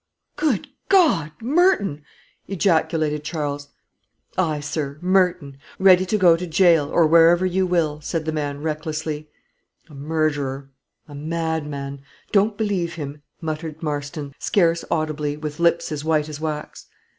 Good God Merton!" ejaculated Charles. "Aye, sir, Merton; ready to go to gaol, or wherever you will," said the man, recklessly. "A murderer; a madman; don't believe him," muttered Marston, scarce audibly, with lips as white as wax.